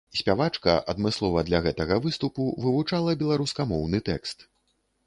Спявачка адмыслова для гэтага выступу вывучала беларускамоўны тэкст.